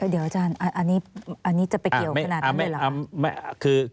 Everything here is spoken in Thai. เดี๋ยวอาจารย์อันนี้จะไปเกี่ยวขนาดนั้นเลยเหรอ